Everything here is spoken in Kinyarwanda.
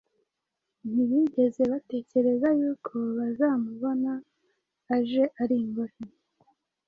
Ntibigeze batekereza y’uko bazamubona aje ari imbohe;